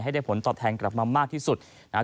ได้ผลตอบแทนกลับมามากที่สุดนะครับ